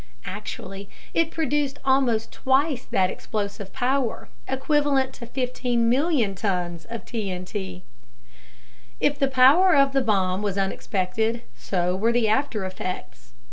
Actually, it produced almost twice that explosive power equivalent to 15 million tons of TNT. If the power of the bomb was unexpected, so were the after effects.